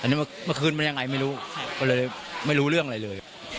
อันนี้เมื่อคืนมันยังไงไม่รู้ก็เลยไม่รู้เรื่องอะไรเลย